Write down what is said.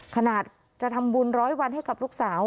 ขนาดจะทำบุญร้อยวันให้กับลูกสาว